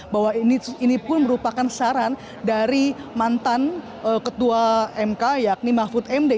bahwa ini pun merupakan saran dari mantan ketua mk yakni mahfud md